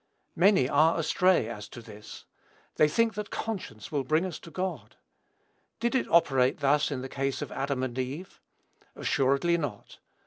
Many are astray as to this: they think that conscience will bring us to God. Did it operate thus, in the case of Adam and Eve? Assuredly not.